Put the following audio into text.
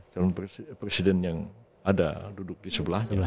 calon presiden yang ada duduk di sebelahnya